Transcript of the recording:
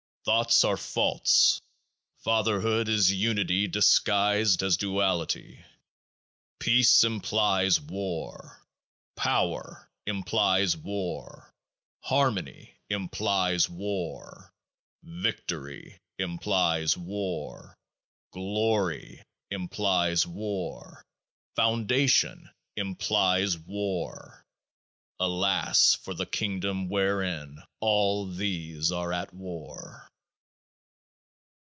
Thoughts are false. Fatherhood is unity disguised as duality. Peace implies war. Power implies war. Harmony implies war. Victory implies war. Glory implies war. Foundation implies war. Alas ! for the Kingdom wherein all these are at war.